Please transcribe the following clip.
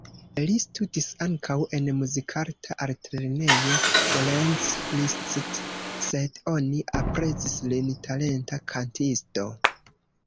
Li studis ankaŭ en Muzikarta Altlernejo Ferenc Liszt, sed oni aprezis lin talenta kantisto.